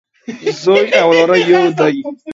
زوی او وراره يودي